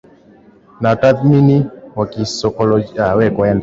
na watathmini wa kisaikoloji na watafiti wa